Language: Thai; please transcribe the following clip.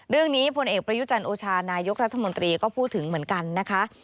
เรื่องนี้พลเอกประยุจันทร์โอชานายกรัฐมนตรีก็พูดถึงเหมือนกันนะคะ